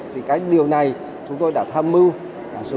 thì cái điều này chúng tôi đã tham mưu